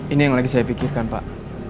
ini yang lagi saya pikirkan pak